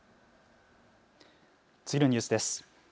次のニュースです。